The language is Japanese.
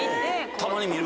たまに見る？